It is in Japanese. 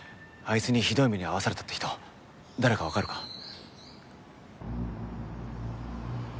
あいつにひどい目に遭わされたって人誰かわかるか？